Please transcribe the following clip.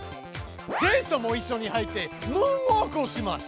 ジェイソンもいっしょに入ってムーンウォークをします！